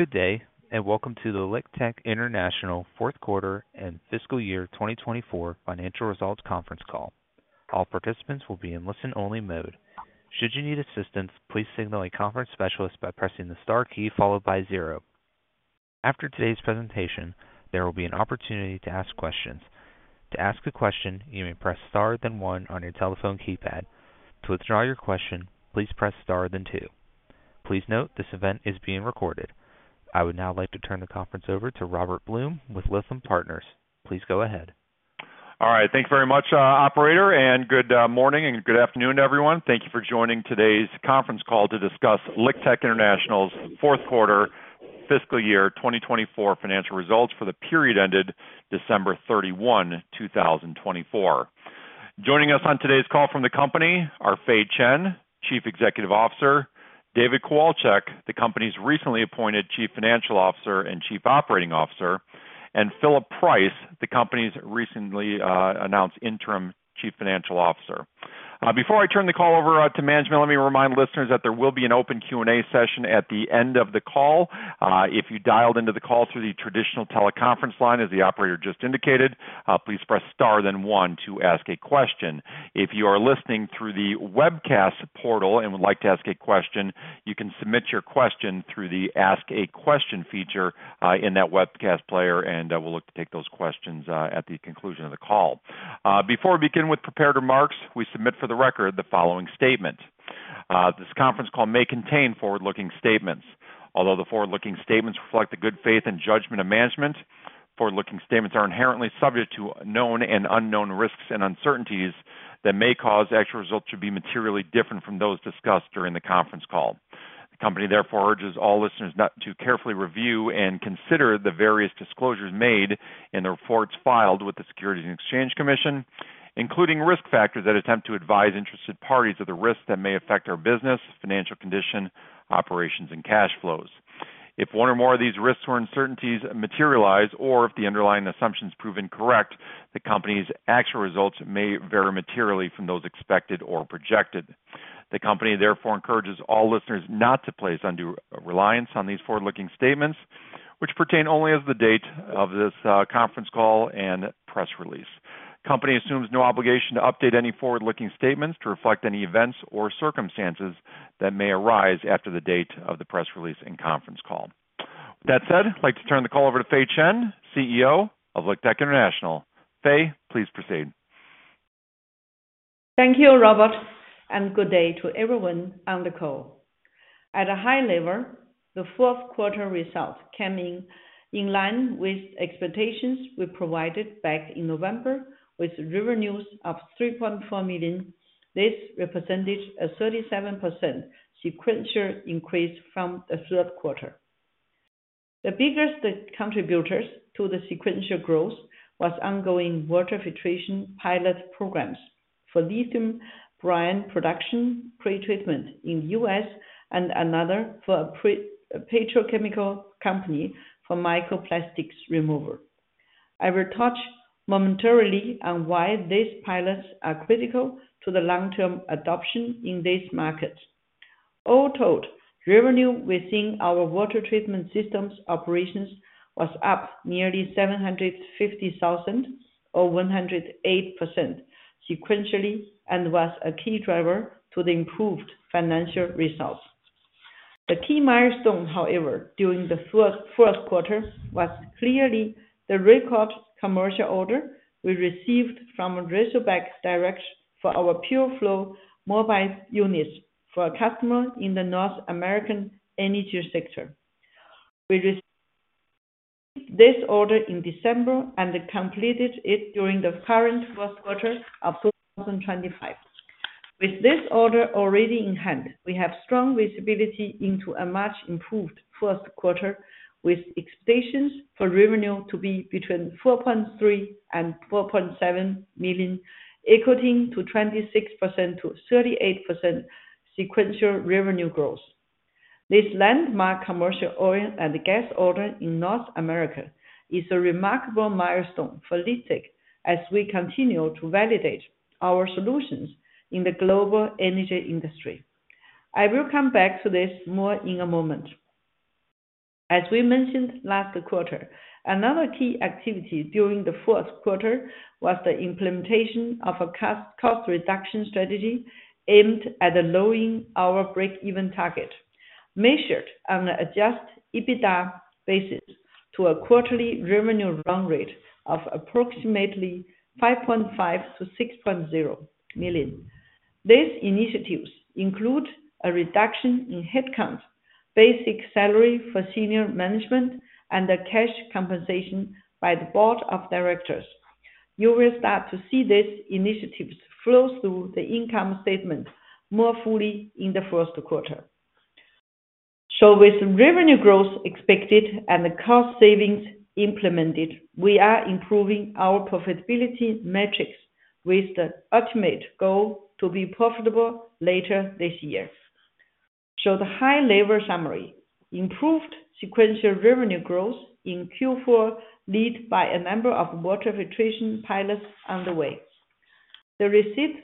Good day, and welcome to the LiqTech International fourth quarter and fiscal year 2024 financial results conference call. All participants will be in listen-only mode. Should you need assistance, please signal a conference specialist by pressing the star key followed by zero. After today's presentation, there will be an opportunity to ask questions. To ask a question, you may press star then one on your telephone keypad. To withdraw your question, please press star then two. Please note this event is being recorded. I would now like to turn the conference over to Robert Blum with Lytham Partners. Please go ahead. All right. Thank you very much, operator, and good morning and good afternoon, everyone. Thank you for joining today's conference call to discuss LiqTech International's fourth quarter fiscal year 2024 financial results for the period ended December 31, 2024. Joining us on today's call from the company are Fei Chen, Chief Executive Officer; David Kowalczyk, the company's recently appointed Chief Financial Officer and Chief Operating Officer; and Phillip Price, the company's recently announced Interim Chief Financial Officer. Before I turn the call over to management, let me remind listeners that there will be an open Q&A session at the end of the call. If you dialed into the call through the traditional teleconference line, as the operator just indicated, please press star then one to ask a question. If you are listening through the webcast portal and would like to ask a question, you can submit your question through the Ask a Question feature in that webcast player, and we'll look to take those questions at the conclusion of the call. Before we begin with prepared remarks, we submit for the record the following statement: This conference call may contain forward-looking statements. Although the forward-looking statements reflect the good faith and judgment of management, forward-looking statements are inherently subject to known and unknown risks and uncertainties that may cause actual results to be materially different from those discussed during the conference call. The company, therefore, urges all listeners to carefully review and consider the various disclosures made in the reports filed with the Securities and Exchange Commission, including risk factors that attempt to advise interested parties of the risks that may affect our business, financial condition, operations, and cash flows. If one or more of these risks or uncertainties materialize, or if the underlying assumptions prove incorrect, the company's actual results may vary materially from those expected or projected. The company, therefore, encourages all listeners not to place undue reliance on these forward-looking statements, which pertain only as of the date of this conference call and press release. The company assumes no obligation to update any forward-looking statements to reflect any events or circumstances that may arise after the date of the press release and conference call. With that said, I'd like to turn the call over to Fei Chen, CEO of LiqTech International. Fei, please proceed. Thank you, Robert, and good day to everyone on the call. At a high level, the fourth quarter results came in line with expectations we provided back in November, with revenues of $3.4 million. This represented a 37% sequential increase from the third quarter. The biggest contributors to the sequential growth were ongoing water filtration pilot programs for lithium brine production pre-treatment in the U.S. and another for a petrochemical company for microplastics removal. I will touch momentarily on why these pilots are critical to the long-term adoption in this market. All told, revenue within our water treatment systems operations was up nearly $750,000 or 108% sequentially and was a key driver to the improved financial results. The key milestone, however, during the fourth quarter was clearly the record commercial order we received from Razorback Direct for our PureFlow mobile units for a customer in the North American energy sector. We received this order in December and completed it during the current fourth quarter of 2025. With this order already in hand, we have strong visibility into a much improved fourth quarter, with expectations for revenue to be between $4.3 million and $4.7 million, equating to 26%-38% sequential revenue growth. This landmark commercial oil and gas order in North America is a remarkable milestone for LiqTech as we continue to validate our solutions in the global energy industry. I will come back to this more in a moment. As we mentioned last quarter, another key activity during the fourth quarter was the implementation of a cost reduction strategy aimed at lowering our break-even target, measured on an adjusted EBITDA basis to a quarterly revenue run rate of approximately $5.5 million-$6.0 million. These initiatives include a reduction in headcount, basic salary for senior management, and a cash compensation by the board of directors. You will start to see these initiatives flow through the income statement more fully in the first quarter. With revenue growth expected and the cost savings implemented, we are improving our profitability metrics with the ultimate goal to be profitable later this year. The high-level summary: improved sequential revenue growth in Q4 led by a number of water filtration pilots underway. The receipt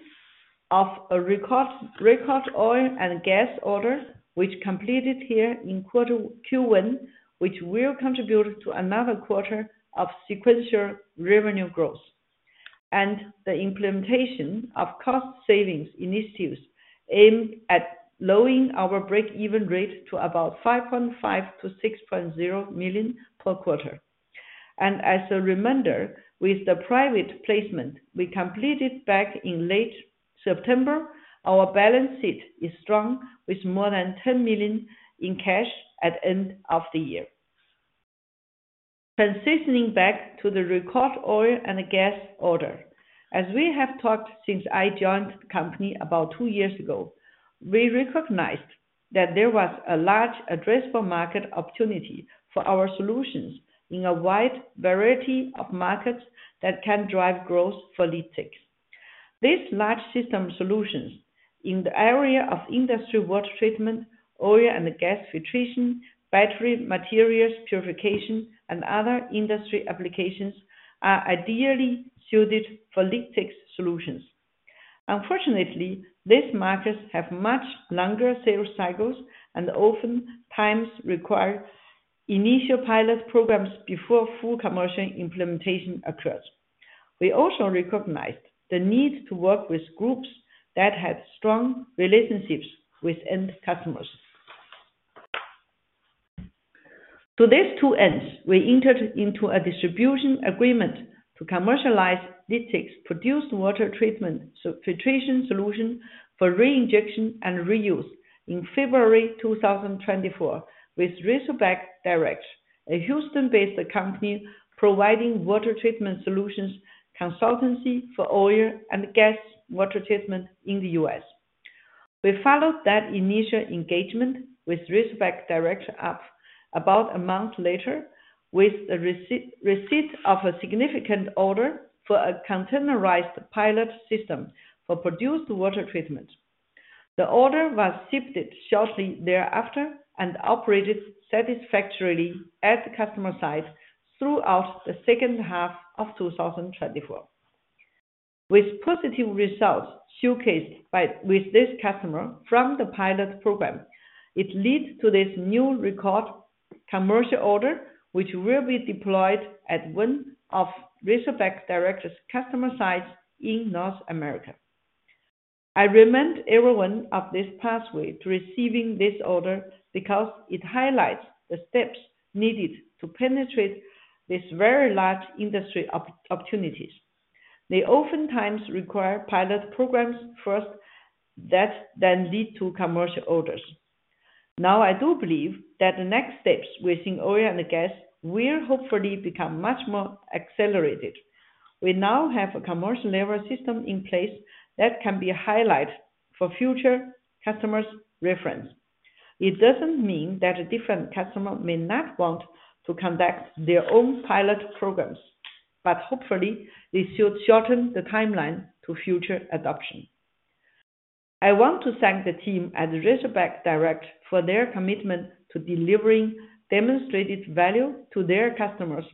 of a record oil and gas order, which completed here in Q1, will contribute to another quarter of sequential revenue growth and the implementation of cost savings initiatives aimed at lowering our break-even rate to about $5.5-$6.0 million per quarter. As a reminder, with the private placement we completed back in late September, our balance sheet is strong, with more than $10 million in cash at the end of the year. Transitioning back to the record oil and gas order, as we have talked since I joined the company about two years ago, we recognized that there was a large addressable market opportunity for our solutions in a wide variety of markets that can drive growth for LiqTech. These large system solutions in the area of industry water treatment, oil and gas filtration, battery materials purification, and other industry applications are ideally suited for LiqTech's solutions. Unfortunately, these markets have much longer sales cycles and oftentimes require initial pilot programs before full commercial implementation occurs. We also recognized the need to work with groups that have strong relationships with end customers. To these two ends, we entered into a distribution agreement to commercialize LiqTech's produced water treatment filtration solution for re-injection and reuse in February 2024 with Razorback Direct, a Houston-based company providing water treatment solutions consultancy for oil and gas water treatment in the U.S. We followed that initial engagement with Razorback Direct up about a month later with the receipt of a significant order for a containerized pilot system for produced water treatment. The order was shipped shortly thereafter and operated satisfactorily at the customer's site throughout the second half of 2024. With positive results showcased by this customer from the pilot program, it led to this new record commercial order, which will be deployed at one of Razorback Direct's customer sites in North America. I remind everyone of this pathway to receiving this order because it highlights the steps needed to penetrate these very large industry opportunities. They oftentimes require pilot programs first that then lead to commercial orders. Now, I do believe that the next steps within oil and gas will hopefully become much more accelerated. We now have a commercial-level system in place that can be a highlight for future customers' reference. It doesn't mean that a different customer may not want to conduct their own pilot programs, but hopefully, this should shorten the timeline to future adoption. I want to thank the team at Razorback Direct for their commitment to delivering demonstrated value to their customers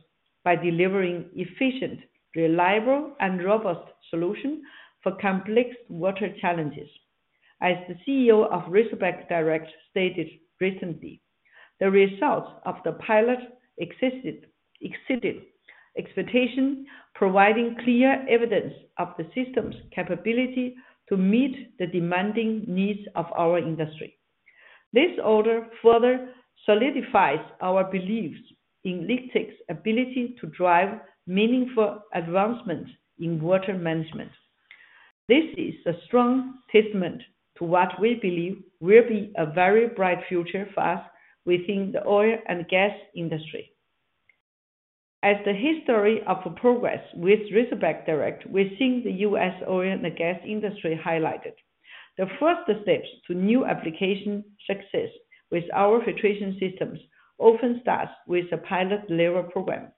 by delivering efficient, reliable, and robust solutions for complex water challenges. As the CEO of Razorback Direct stated recently, the results of the pilot exceeded expectations, providing clear evidence of the system's capability to meet the demanding needs of our industry. This order further solidifies our beliefs in LiqTech's ability to drive meaningful advancements in water management. This is a strong testament to what we believe will be a very bright future for us within the oil and gas industry. As the history of progress with Razorback Direct within the U.S. oil and gas industry highlighted, the first steps to new application success with our filtration systems often start with a pilot-level program.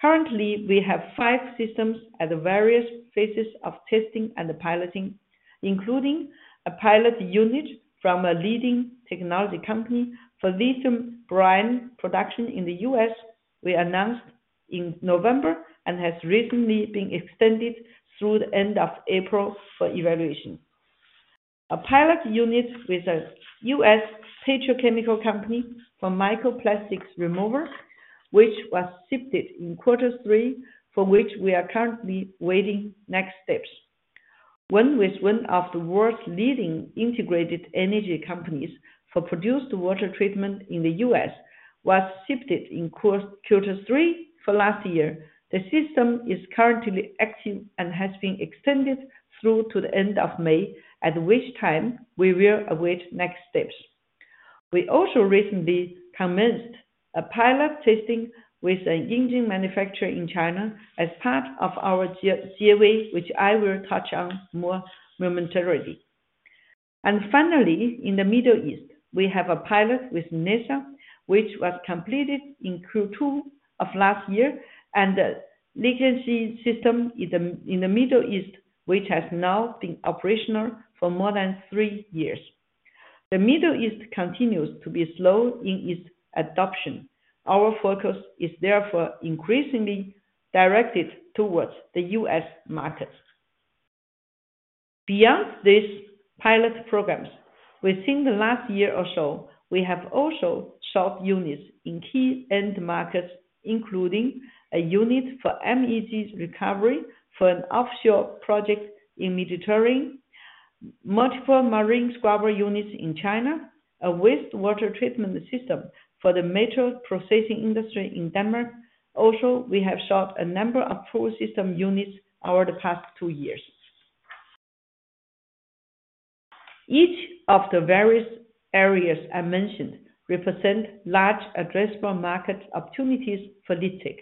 Currently, we have five systems at various phases of testing and piloting, including a pilot unit from a leading technology company for lithium brine production in the US, we announced in November and has recently been extended through the end of April for evaluation. A pilot unit with a U.S. petrochemical company for microplastics removal, which was shipped in Q3, for which we are currently waiting next steps. One with one of the world's leading integrated energy companies for produced water treatment in the U.S., was shipped in Q3 for last year. The system is currently active and has been extended through to the end of May, at which time we will await next steps. We also recently commenced a pilot testing with an engine manufacturer in China as part of our JV, which I will touch on more momentarily. Finally, in the Middle East, we have a pilot with NESR, which was completed in Q2 of last year, and the LiqTech system in the Middle East, which has now been operational for more than three years. The Middle East continues to be slow in its adoption. Our focus is therefore increasingly directed towards the U.S. markets. Beyond these pilot programs, within the last year or so, we have also shipped units in key end markets, including a unit for MEG recovery for an offshore project in the Mediterranean, multiple marine scrubber units in China, a wastewater treatment system for the metal processing industry in Denmark. Also, we have shipped a number of full system units over the past two years. Each of the various areas I mentioned represents large addressable market opportunities for LiqTech.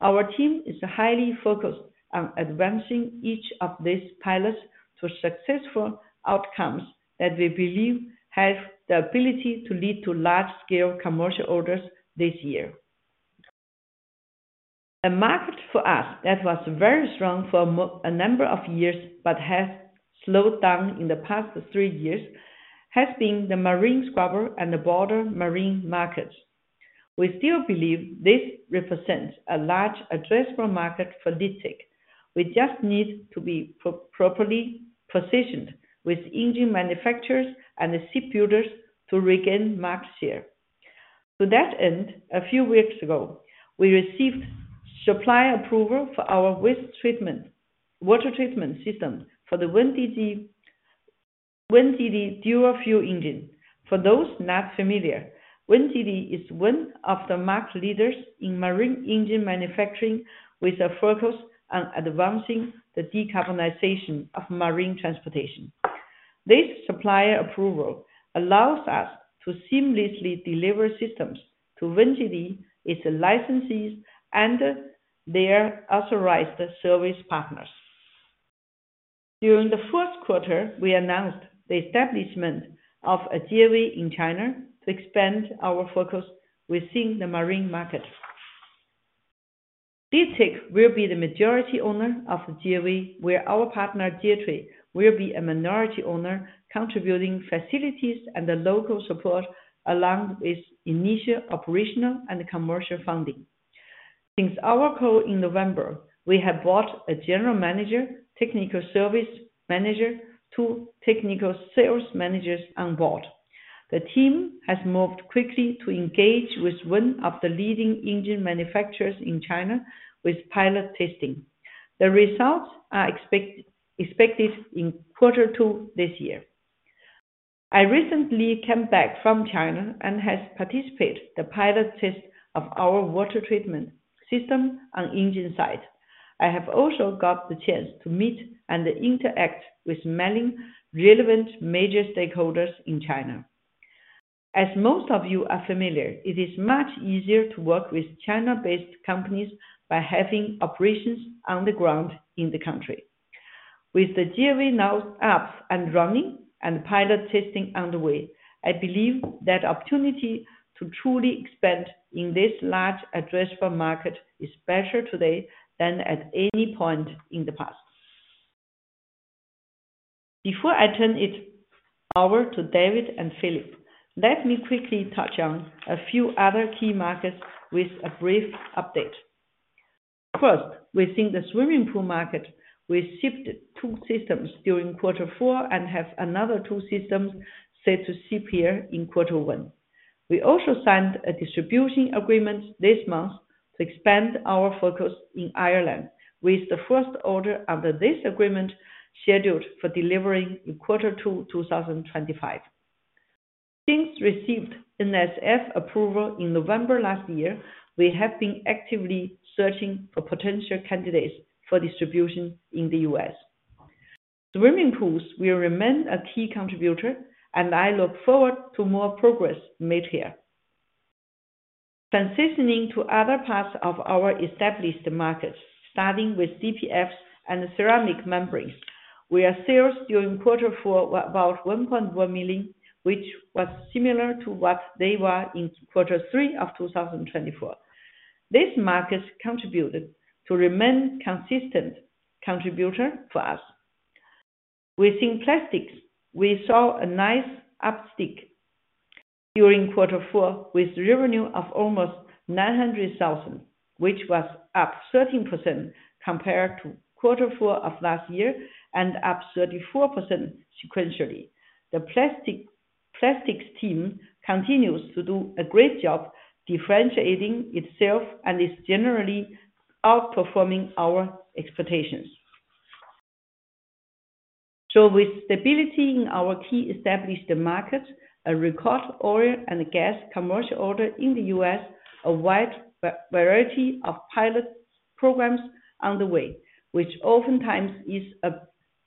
Our team is highly focused on advancing each of these pilots to successful outcomes that we believe have the ability to lead to large-scale commercial orders this year. A market for us that was very strong for a number of years but has slowed down in the past three years has been the marine scrubber and the broader marine markets. We still believe this represents a large addressable market for LiqTech. We just need to be properly positioned with engine manufacturers and shipbuilders to regain market share. To that end, a few weeks ago, we received supplier approval for our waste water treatment system for the WinGD dual-fuel engine. For those not familiar, WinGD is one of the market leaders in marine engine manufacturing with a focus on advancing the decarbonization of marine transportation. This supplier approval allows us to seamlessly deliver systems to WinGD, its licensees, and their authorized service partners. During the fourth quarter, we announced the establishment of a JV in China to expand our focus within the marine market. LiqTech will be the majority owner of the JV, where our partner, Geotree, will be a minority owner contributing facilities and the local support along with initial operational and commercial funding. Since our call in November, we have brought a General Manager, Technical Service Manager, two Technical Sales Managers on board. The team has moved quickly to engage with one of the leading engine manufacturers in China with pilot testing. The results are expected in Q2 this year. I recently came back from China and have participated in the pilot test of our water treatment system on engine site. I have also got the chance to meet and interact with many relevant major stakeholders in China. As most of you are familiar, it is much easier to work with China-based companies by having operations on the ground in the country. With the JV now up and running and pilot testing underway, I believe that opportunity to truly expand in this large addressable market is better today than at any point in the past. Before I turn it over to David and Phillip, let me quickly touch on a few other key markets with a brief update. First, within the swimming pool market, we shipped two systems during Q4 and have another two systems set to ship here in Q1. We also signed a distribution agreement this month to expand our focus in Ireland, with the first order under this agreement scheduled for delivery in Q2 2025. Since receiving NSF approval in November last year, we have been actively searching for potential candidates for distribution in the US. Swimming pools will remain a key contributor, and I look forward to more progress made here. Transitioning to other parts of our established markets, starting with DPFs and ceramic membranes, our sales during Q4 were about $1.1 million, which was similar to what they were in Q3 of 2024. These markets contributed to remain a consistent contributor for us. Within plastics, we saw a nice uptick during Q4 with revenue of almost $900,000, which was up 13% compared to Q4 of last year and up 34% sequentially. The plastics team continues to do a great job differentiating itself and is generally outperforming our expectations. With stability in our key established markets, a record oil and gas commercial order in the US, a wide variety of pilot programs underway, which oftentimes is a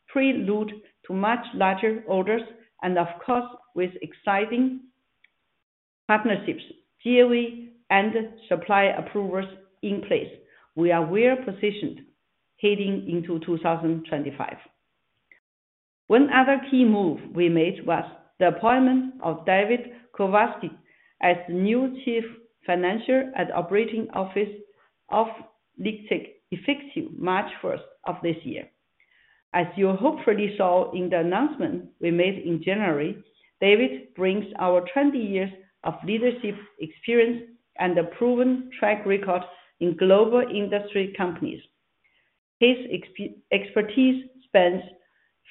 prelude to much larger orders, and of course, with exciting partnerships, JV, and supplier approvals in place, we are well positioned heading into 2025. One other key move we made was the appointment of David Kowalczyk as the new Chief Financial and Operating Officer of LiqTech effective March 1st of this year. As you hopefully saw in the announcement we made in January, David brings our 20 years of leadership experience and a proven track record in global industry companies. His expertise spans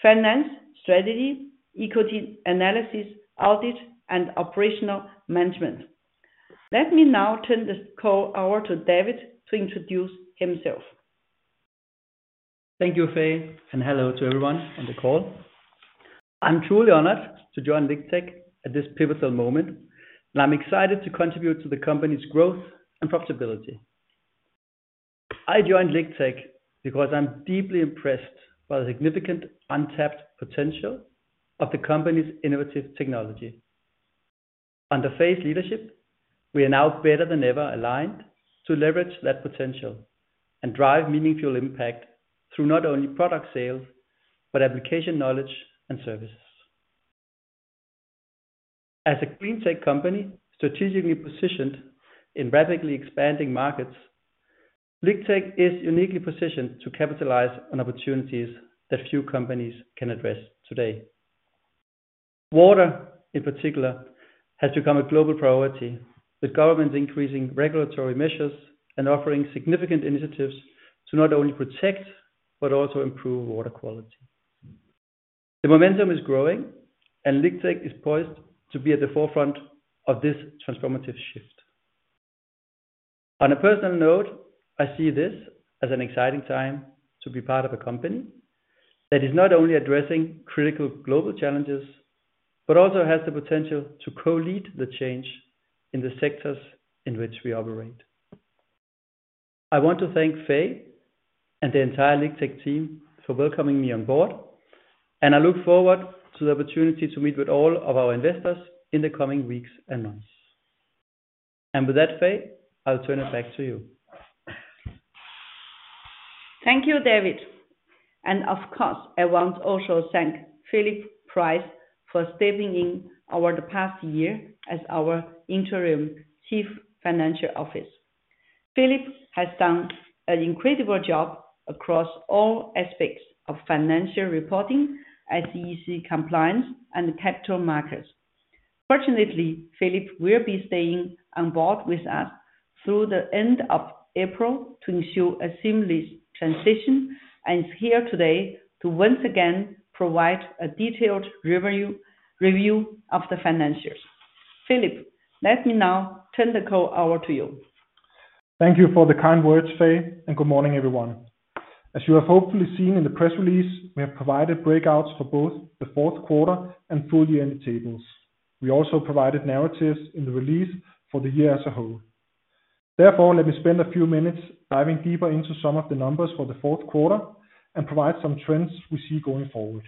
finance, strategy, equity analysis, audit, and operational management. Let me now turn the call over to David to introduce himself. Thank you, Fei, and hello to everyone on the call. I'm truly honored to join LiqTech at this pivotal moment, and I'm excited to contribute to the company's growth and profitability. I joined LiqTech because I'm deeply impressed by the significant untapped potential of the company's innovative technology. Under Fei's leadership, we are now better than ever aligned to leverage that potential and drive meaningful impact through not only product sales but application knowledge and services. As a clean tech company strategically positioned in rapidly expanding markets, LiqTech is uniquely positioned to capitalize on opportunities that few companies can address today. Water, in particular, has become a global priority, with governments increasing regulatory measures and offering significant initiatives to not only protect but also improve water quality. The momentum is growing, and LiqTech is poised to be at the forefront of this transformative shift. On a personal note, I see this as an exciting time to be part of a company that is not only addressing critical global challenges but also has the potential to co-lead the change in the sectors in which we operate. I want to thank Fei and the entire LiqTech team for welcoming me on board, and I look forward to the opportunity to meet with all of our investors in the coming weeks and months. With that, Fei, I'll turn it back to you. Thank you, David. I also want to thank Phillip Price for stepping in over the past year as our interim Chief Financial Officer. Phillip has done an incredible job across all aspects of financial reporting, SEC compliance, and capital markets. Fortunately, Phillip will be staying on board with us through the end of April to ensure a seamless transition and is here today to once again provide a detailed revenue review of the financials. Phillip, let me now turn the call over to you. Thank you for the kind words, Fei, and good morning, everyone. As you have hopefully seen in the press release, we have provided breakouts for both the fourth quarter and full year in the tables. We also provided narratives in the release for the year as a whole. Therefore, let me spend a few minutes diving deeper into some of the numbers for the fourth quarter and provide some trends we see going forward.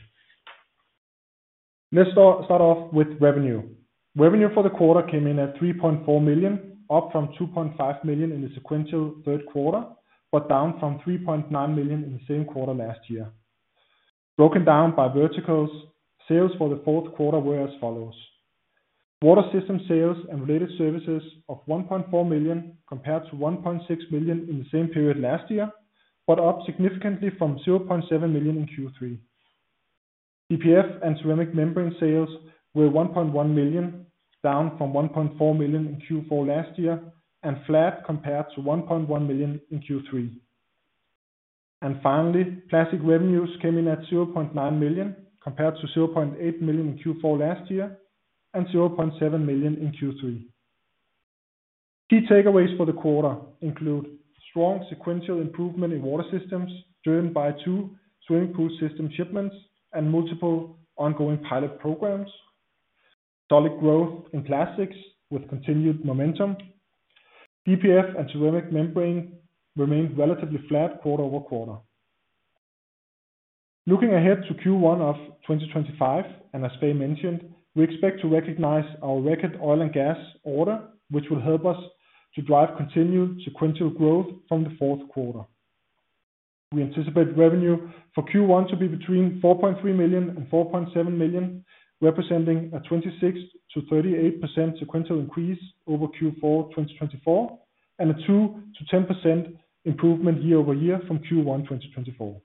Let's start off with revenue. Revenue for the quarter came in at $3.4 million, up from $2.5 million in the sequential third quarter, but down from $3.9 million in the same quarter last year. Broken down by verticals, sales for the fourth quarter were as follows: water system sales and related services of $1.4 million compared to $1.6 million in the same period last year, but up significantly from $0.7 million in Q3. DPF and ceramic membrane sales were $1.1 million, down from $1.4 million in Q4 last year, and flat compared to $1.1 million in Q3. Finally, plastic revenues came in at $0.9 million compared to $0.8 million in Q4 last year and $0.7 million in Q3. Key takeaways for the quarter include strong sequential improvement in water systems driven by two swimming pool system shipments and multiple ongoing pilot programs, solid growth in plastics with continued momentum, DPF and ceramic membrane remained relatively flat quarter over quarter. Looking ahead to Q1 of 2025, and as Fei mentioned, we expect to recognize our record oil and gas order, which will help us to drive continued sequential growth from the fourth quarter. We anticipate revenue for Q1 to be between $4.3 million and $4.7 million, representing a 26%-38% sequential increase over Q4 2024 and a 2%-10% improvement year over year from Q1 2024.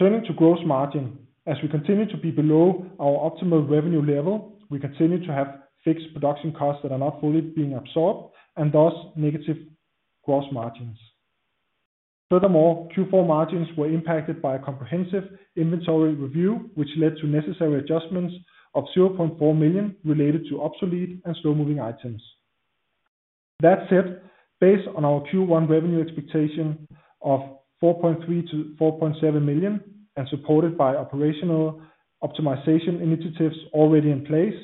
Turning to gross margin, as we continue to be below our optimal revenue level, we continue to have fixed production costs that are not fully being absorbed and thus negative gross margins. Furthermore, Q4 margins were impacted by a comprehensive inventory review, which led to necessary adjustments of $0.4 million related to obsolete and slow-moving items. That said, based on our Q1 revenue expectation of $4.3-$4.7 million and supported by operational optimization initiatives already in place,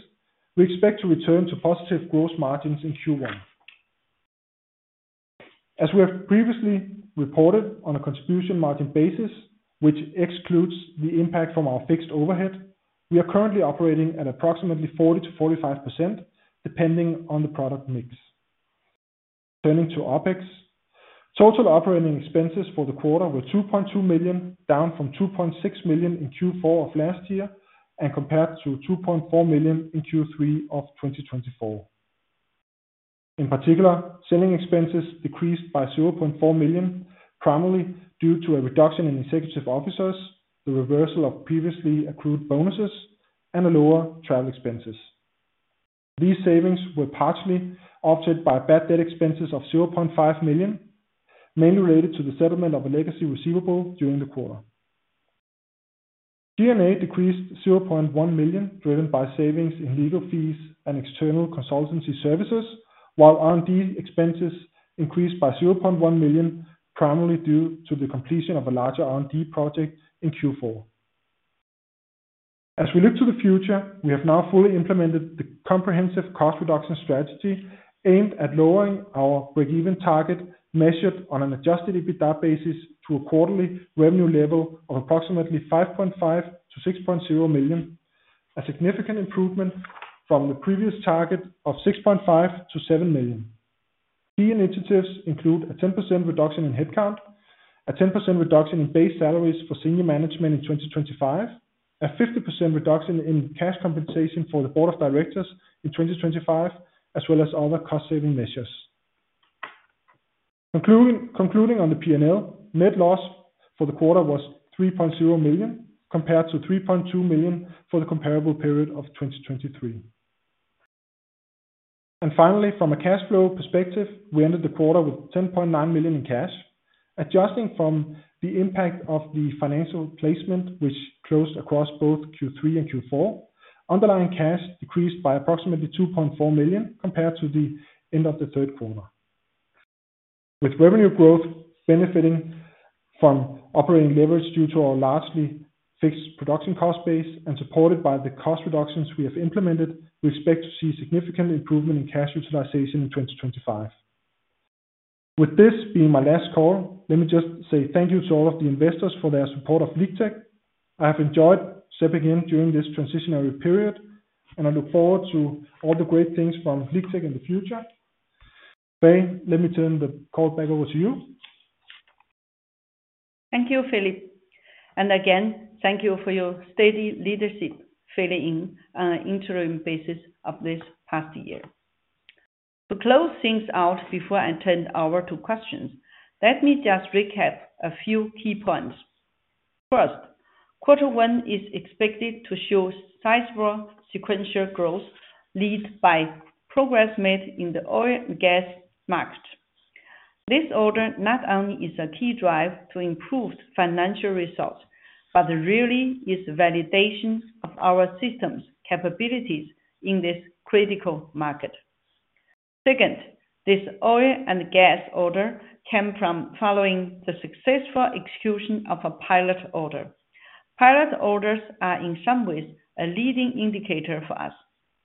we expect to return to positive gross margins in Q1. As we have previously reported on a contribution margin basis, which excludes the impact from our fixed overhead, we are currently operating at approximately 40%-45% depending on the product mix. Turning to OpEx, total operating expenses for the quarter were $2.2 million, down from $2.6 million in Q4 of last year and compared to $2.4 million in Q3 of 2024. In particular, selling expenses decreased by $0.4 million, primarily due to a reduction in executive officers, the reversal of previously accrued bonuses, and lower travel expenses. These savings were partially offset by bad debt expenses of $500,000, mainly related to the settlement of a legacy receivable during the quarter. G&A decreased $100,000, driven by savings in legal fees and external consultancy services, while R&D expenses increased by $100,000, primarily due to the completion of a larger R&D project in Q4. As we look to the future, we have now fully implemented the comprehensive cost reduction strategy aimed at lowering our break-even target, measured on an adjusted EBITDA basis to a quarterly revenue level of approximately $5.5 million-$6.0 million, a significant improvement from the previous target of $6.5 million-$7 million. Key initiatives include a 10% reduction in headcount, a 10% reduction in base salaries for senior management in 2025, a 50% reduction in cash compensation for the board of directors in 2025, as well as other cost-saving measures. Concluding on the P&L, net loss for the quarter was $3.0 million compared to $3.2 million for the comparable period of 2023. Finally, from a cash flow perspective, we ended the quarter with $10.9 million in cash, adjusting from the impact of the financial placement, which closed across both Q3 and Q4. Underlying cash decreased by approximately $2.4 million compared to the end of the third quarter. With revenue growth benefiting from operating leverage due to our largely fixed production cost base and supported by the cost reductions we have implemented, we expect to see significant improvement in cash utilization in 2025. With this being my last call, let me just say thank you to all of the investors for their support of LiqTech. I have enjoyed stepping in during this transitionary period, and I look forward to all the great things from LiqTech in the future. Fei, let me turn the call back over to you. Thank you, Phillip. Thank you for your steady leadership filling in interim basis of this past year. To close things out before I turn over to questions, let me just recap a few key points. First, Q1 is expected to show sizable sequential growth led by progress made in the oil and gas market. This order not only is a key drive to improved financial results, but really is a validation of our systems' capabilities in this critical market. Second, this oil and gas order came from following the successful execution of a pilot order. Pilot orders are in some ways a leading indicator for us.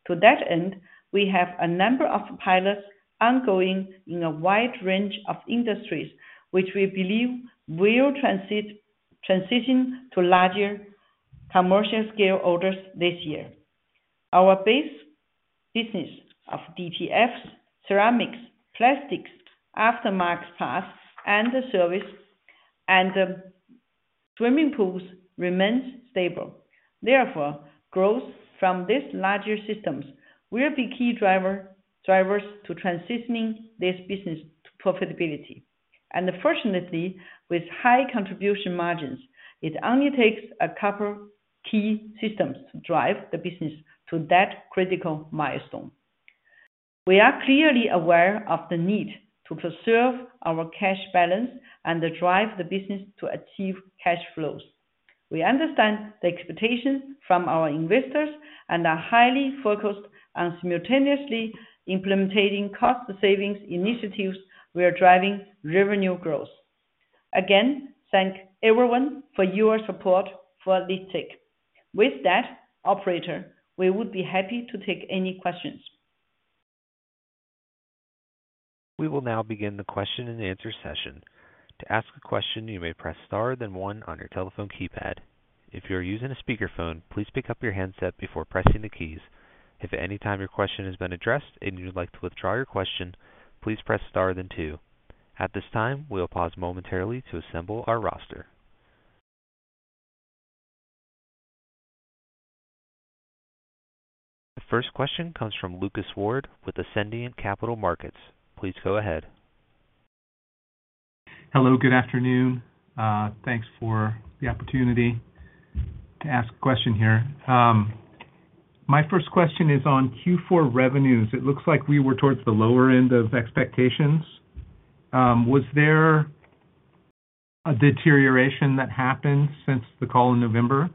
To that end, we have a number of pilots ongoing in a wide range of industries, which we believe will transition to larger commercial-scale orders this year. Our base business of DPFs, ceramics, plastics, aftermarket parts, and service, and swimming pools remains stable. Therefore, growth from these larger systems will be key drivers to transitioning this business to profitability. Fortunately, with high contribution margins, it only takes a couple of key systems to drive the business to that critical milestone. We are clearly aware of the need to preserve our cash balance and drive the business to achieve cash flows. We understand the expectations from our investors and are highly focused on simultaneously implementing cost-saving initiatives while driving revenue growth. Again, thank everyone for your support for LiqTech. With that, operator, we would be happy to take any questions. We will now begin the question-and-answer session. To ask a question, you may press star then one on your telephone keypad. If you are using a speakerphone, please pick up your handset before pressing the keys. If at any time your question has been addressed and you'd like to withdraw your question, please press star then two. At this time, we'll pause momentarily to assemble our roster. The first question comes from Lucas Ward with Ascendiant Capital Markets. Please go ahead. Hello, good afternoon. Thanks for the opportunity to ask a question here. My first question is on Q4 revenues. It looks like we were towards the lower end of expectations. Was there a deterioration that happened since the call in November?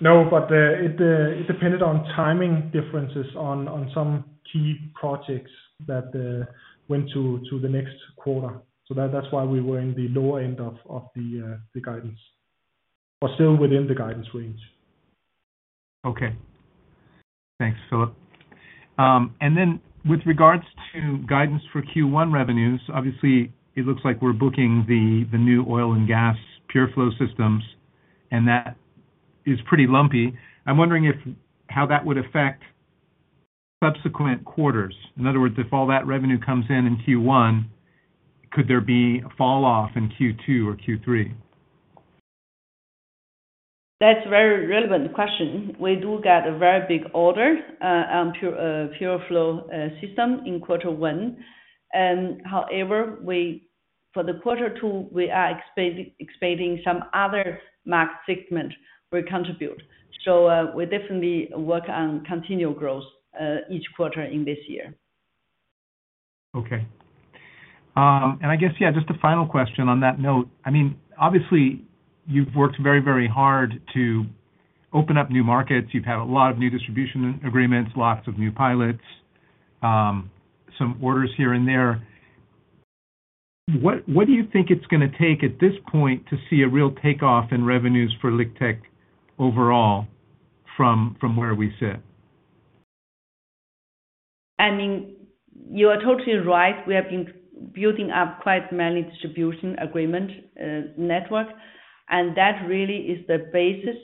No, but it depended on timing differences on some key projects that went to the next quarter. That is why we were in the lower end of the guidance or still within the guidance range. Okay. Thanks, Phillip. With regards to guidance for Q1 revenues, obviously, it looks like we're booking the new oil and gas PureFlow systems, and that is pretty lumpy. I'm wondering how that would affect subsequent quarters. In other words, if all that revenue comes in in Q1, could there be a falloff in Q2 or Q3? That's a very relevant question. We do get a very big order on PureFlow system in quarter one. However, for the quarter two, we are expecting some other market segment will contribute. We definitely work on continual growth each quarter in this year. Okay. I guess, yeah, just a final question on that note. I mean, obviously, you've worked very, very hard to open up new markets. You've had a lot of new distribution agreements, lots of new pilots, some orders here and there. What do you think it's going to take at this point to see a real takeoff in revenues for LiqTech overall from where we sit? I mean, you are totally right. We have been building up quite many distribution agreement networks, and that really is the basis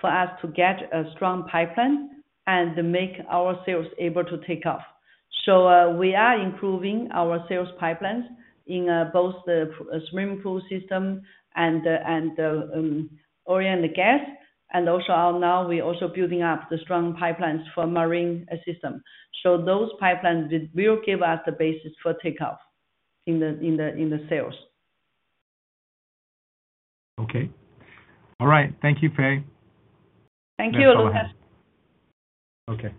for us to get a strong pipeline and make our sales able to take off. We are improving our sales pipelines in both the swimming pool system and the oil and the gas. Also now we're also building up the strong pipelines for marine system. Those pipelines will give us the basis for takeoff in the sales. Okay. All right. Thank you, Fei. Thank you, Lucas. Okay.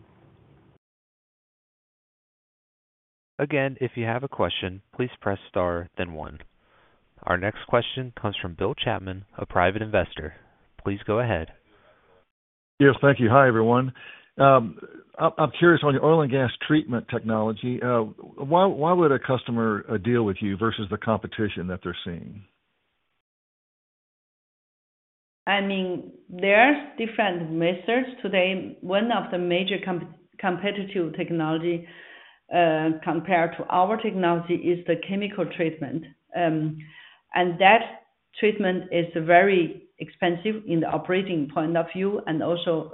Again, if you have a question, please press star then one. Our next question comes from Bill Chapman, a private investor. Please go ahead. Yes, thank you. Hi, everyone. I'm curious on your oil and gas treatment technology. Why would a customer deal with you versus the competition that they're seeing? I mean, there are different methods today. One of the major competitive technologies compared to our technology is the chemical treatment. That treatment is very expensive in the operating point of view and also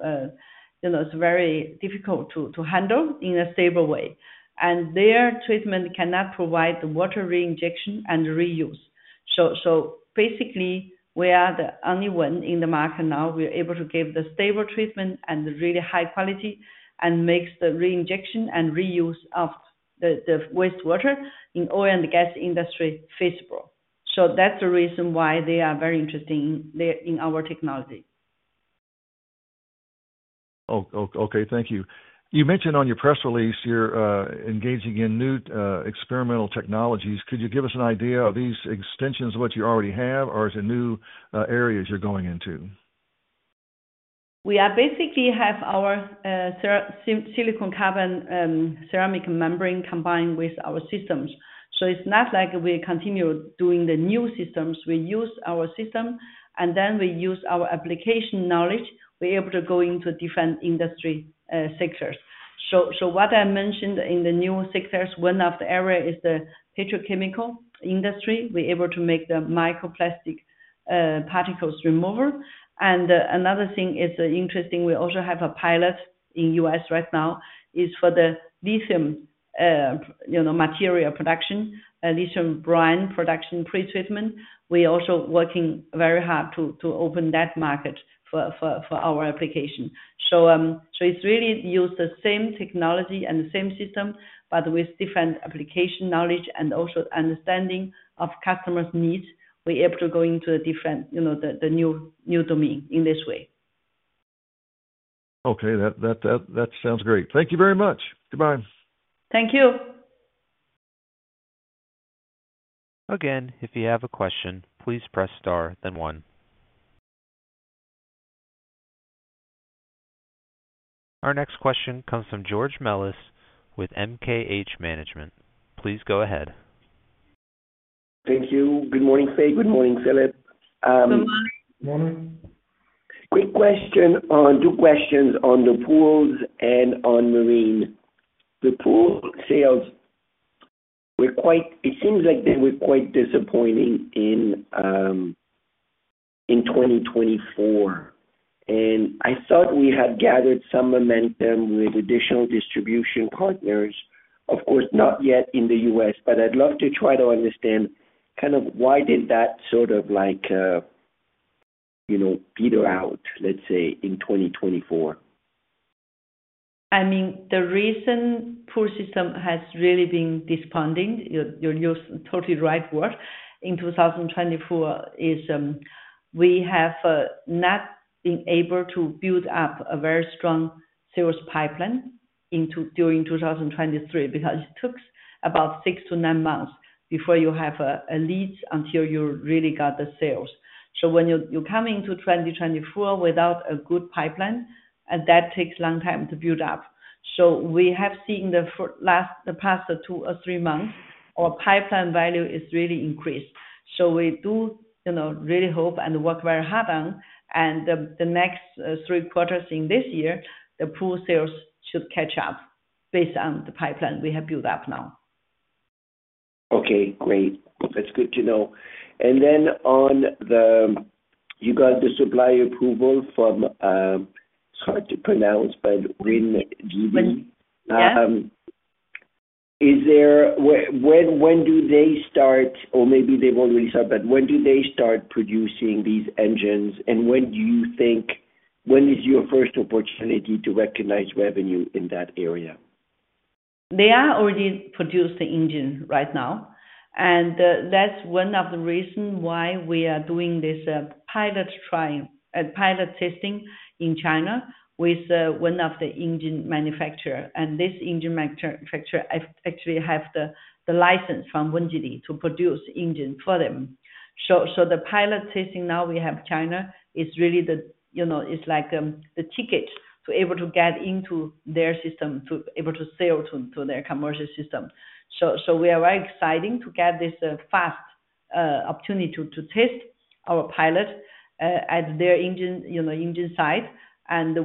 is very difficult to handle in a stable way. Their treatment cannot provide the water reinjection and reuse. Basically, we are the only one in the market now. We're able to give the stable treatment and really high quality and makes the reinjection and reuse of the wastewater in the oil and gas industry feasible. That's the reason why they are very interested in our technology. Okay, thank you. You mentioned on your press release you're engaging in new experimental technologies. Could you give us an idea of these extensions of what you already have, or is it new areas you're going into? We basically have our silicon carbide ceramic membrane combined with our systems. It is not like we continue doing the new systems. We use our system, and then we use our application knowledge. We are able to go into different industry sectors. What I mentioned in the new sectors, one of the areas is the petrochemical industry. We are able to make the microplastic particles remover. Another thing is interesting. We also have a pilot in the U.S. right now for the lithium material production, lithium brine production pretreatment. We are also working very hard to open that market for our application. It is really using the same technology and the same system, but with different application knowledge and also understanding of customers' needs. We're able to go into the new domain in this way. Okay, that sounds great. Thank you very much. Goodbye. Thank you. Again, if you have a question, please press star then one. Our next question comes from George Melas with MKH Management. Please go ahead. Thank you. Good morning, Fei. Good morning, Phillip. Good morning. Good morning. Quick question on two questions on the pools and on marine. The pool sales, it seems like they were quite disappointing in 2024. And I thought we had gathered some momentum with additional distribution partners, of course, not yet in the US, but I'd love to try to understand kind of why did that sort of peter out, let's say, in 2024. I mean, the reason pool system has really been despondent, you're totally right, Walter, in 2024 is we have not been able to build up a very strong sales pipeline during 2023 because it took about six to nine months before you have a lead until you really got the sales. When you come into 2024 without a good pipeline, that takes a long time to build up. We have seen the past two or three months, our pipeline value has really increased. We do really hope and work very hard on, and the next three quarters in this year, the pool sales should catch up based on the pipeline we have built up now. Okay, great. That's good to know. Then on the, you got the supplier approval from, it's hard to pronounce, but WinGD. When do they start, or maybe they won't really start, but when do they start producing these engines, and when do you think, when is your first opportunity to recognize revenue in that area? They are already producing the engine right now. That is one of the reasons why we are doing this pilot testing in China with one of the engine manufacturers. This engine manufacturer actually has the license from WinGD to produce engines for them. The pilot testing now we have in China is really the, it's like the ticket to be able to get into their system, to be able to sell to their commercial system. We are very excited to get this fast opportunity to test our pilot at their engine site.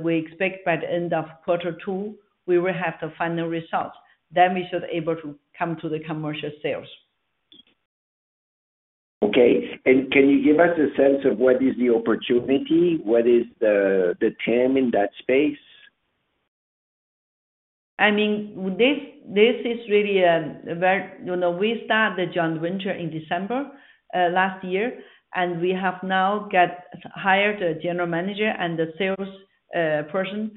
We expect by the end of quarter two, we will have the final results. We should be able to come to the commercial sales. Okay. Can you give us a sense of what is the opportunity? What is the TAM in that space? I mean, this is really a very, we started the joint venture in December last year, and we have now hired a general manager and a sales person in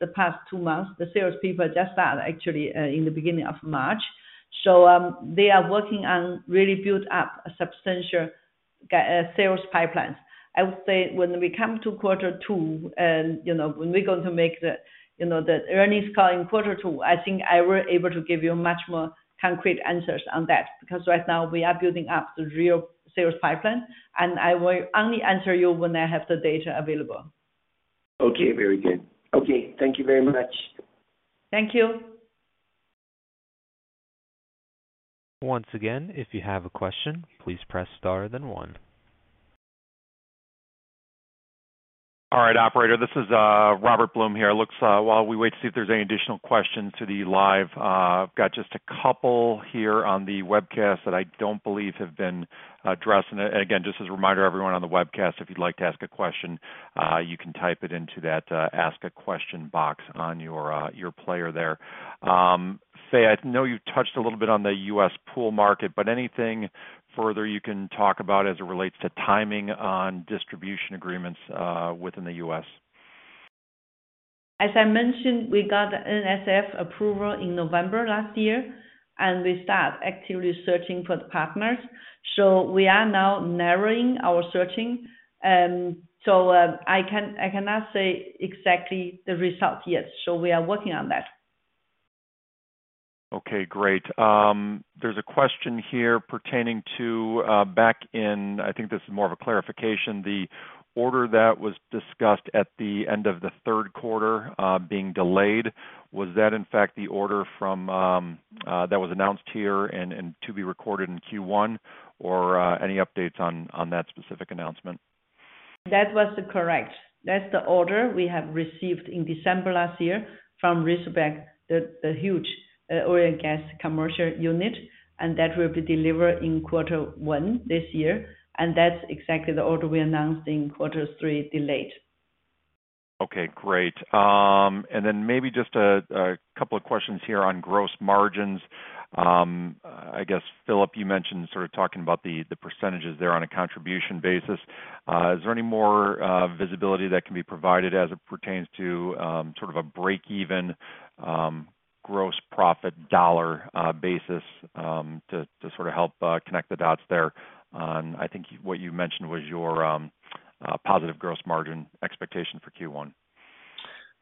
the past two months. The sales people just started actually in the beginning of March. They are working on really building up substantial sales pipelines. I would say when we come to quarter two, when we're going to make the earnings call in quarter two, I think I will be able to give you much more concrete answers on that because right now we are building up the real sales pipeline, and I will only answer you when I have the data available. Okay, very good. Okay, thank you very much. Thank you. Once again, if you have a question, please press star then one. All right, operator, this is Robert Blum here. While we wait to see if there's any additional questions to the live, I've got just a couple here on the webcast that I don't believe have been addressed. Again, just as a reminder to everyone on the webcast, if you'd like to ask a question, you can type it into that ask a question box on your player there. Fei, I know you touched a little bit on the U.S. pool market, but anything further you can talk about as it relates to timing on distribution agreements within the US? As I mentioned, we got the NSF approval in November last year, and we started actively searching for the partners. We are now narrowing our searching. I cannot say exactly the results yet. We are working on that. Okay, great. There is a question here pertaining to back in, I think this is more of a clarification, the order that was discussed at the end of the third quarter being delayed. Was that, in fact, the order that was announced here and to be recorded in Q1, or any updates on that specific announcement? That was correct. That is the order we have received in December last year from Razorback Direct, the huge oil and gas commercial unit, and that will be delivered in quarter one this year. That is exactly the order we announced in quarter three delayed. Okay, great. Maybe just a couple of questions here on gross margins. I guess, Phillip, you mentioned sort of talking about the percentages there on a contribution basis. Is there any more visibility that can be provided as it pertains to sort of a break-even gross profit dollar basis to sort of help connect the dots there? I think what you mentioned was your positive gross margin expectation for Q1.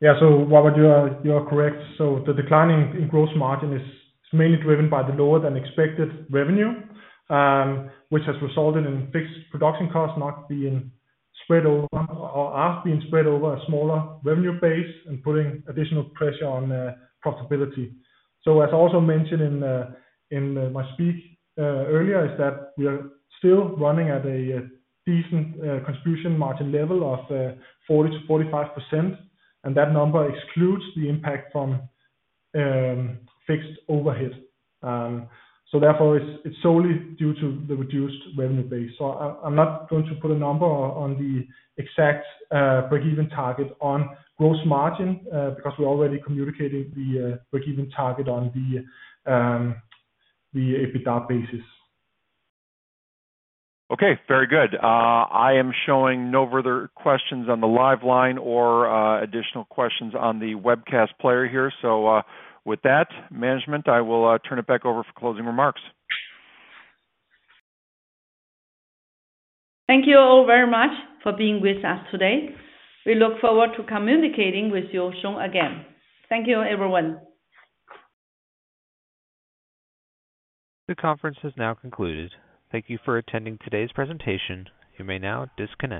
Yeah, Robert, you are correct. The decline in gross margin is mainly driven by the lower than expected revenue, which has resulted in fixed production costs not being spread over or being spread over a smaller revenue base and putting additional pressure on profitability. As I also mentioned in my speech earlier, we are still running at a decent contribution margin level of 40%-45%, and that number excludes the impact from fixed overhead. Therefore, it is solely due to the reduced revenue base. I am not going to put a number on the exact break-even target on gross margin because we are already communicating the break-even target on the EBITDA basis. Okay, very good. I am showing no further questions on the live line or additional questions on the webcast player here. With that, management, I will turn it back over for closing remarks. Thank you all very much for being with us today. We look forward to communicating with you soon again. Thank you, everyone. The conference has now concluded. Thank you for attending today's presentation. You may now disconnect.